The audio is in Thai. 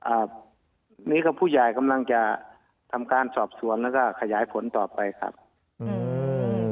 อ่านี่ก็ผู้ใหญ่กำลังจะทำการสอบสวนแล้วก็ขยายผลต่อไปครับอืม